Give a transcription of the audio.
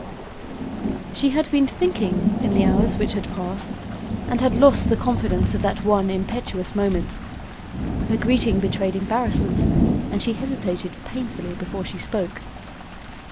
She had been thinking in the hours which had passed, and had lost the confidence of that one impetuous moment. Her greeting betrayed embarrassment and she hesitated painfully before she spoke.